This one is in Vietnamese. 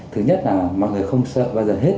thứ nhất là mọi người không sợ bao giờ hết